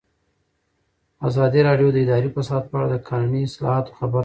ازادي راډیو د اداري فساد په اړه د قانوني اصلاحاتو خبر ورکړی.